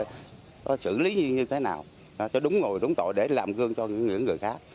nó xử lý như thế nào nó đúng ngồi đúng tội để làm gương cho những người khác